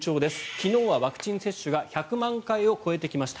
昨日はワクチン接種が１００万回を超えてきました。